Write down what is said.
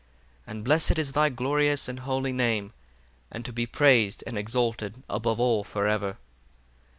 30 And blessed is thy glorious and holy name: and to be praised and exalted above all for ever.